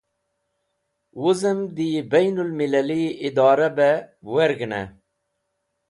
Wuzem de yi Bain ul Millali Idorah be werg̃hene